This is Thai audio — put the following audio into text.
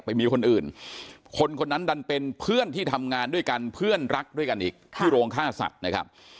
ไปมีคนอื่นคนคนนั้นดันเป็นเพื่อนที่ทำงานด้วยกันเพื่อนรักด้วยกันอีกที่โรงฆ่าสัตว์นะครับ